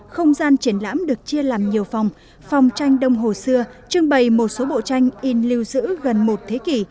không gian triển lãm được chia làm nhiều phòng phòng tranh đông hồ xưa trưng bày một số bộ tranh in lưu giữ gần một thế kỷ